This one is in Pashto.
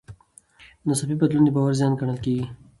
ناڅاپي بدلون د باور زیان ګڼل کېږي.